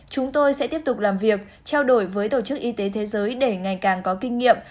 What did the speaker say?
chúng tôi sẽ tiếp tục làm việc trao đổi với tổ chức y tế thế giới để ngày càng có kinh nghiệm